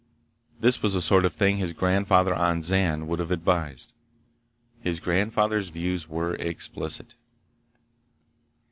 This was the sort of thing his grandfather on Zan would have advised. His grandfather's views were explicit.